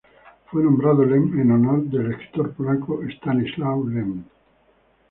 Fue nombrado Lem en honor al escritor polaco Stanisław Lem.